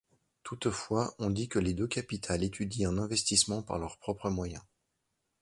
Toutefois on dit que les deux capitales étudient un investissement par leurs propres moyens.